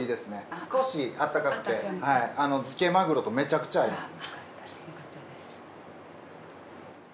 少しあったかくて漬けマグロとめちゃくちゃ合います。